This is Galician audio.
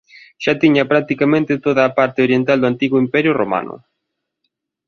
Xa tiña practicamente toda a parte oriental do antigo imperio romano.